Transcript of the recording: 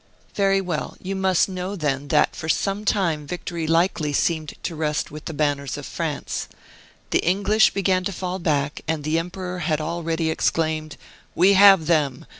"Very well; you must know then that for some time victory seemed likely to rest with the banners of France. The English began to fall back, and the emperor had already exclaimed: 'We have them!